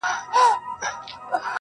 o ډک جامونه صراحي ده که صهبا دی,